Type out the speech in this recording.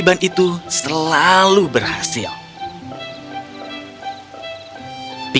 dan ini volunteers bagi kita